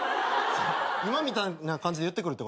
今みたいな感じで言ってくるってこと？